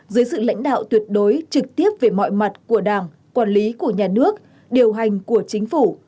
dưới sự lãnh đạo tuyệt đối trực tiếp về mọi mặt của đảng quản lý của nhà nước điều hành của chính phủ